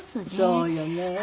そうよね。